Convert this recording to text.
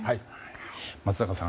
松坂さん